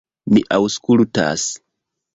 Mi aŭskultas...